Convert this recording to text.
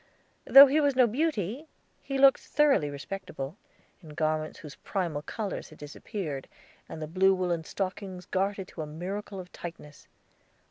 Though he was no beauty, he looked thoroughly respectable, in garments whose primal colors had disappeared, and blue woolen stockings gartered to a miracle of tightness.